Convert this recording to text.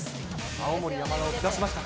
青森山田を下しましたから。